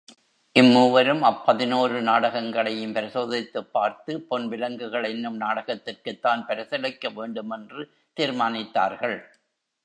இம் மூவரும், அப் பதினோரு நாடகங்களையும் பரிசோதித்துப் பார்த்து, பொன் விலங்குகள் என்னும் நாடகத்திற்குத்தான் பரிசளிக்க வேண்டுமென்று தீர்மானித்தார்கள்.